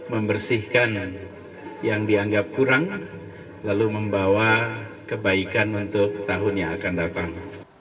membersihkan yang dianggap kurang lalu membawa kebaikan untuk tahun yang akan datang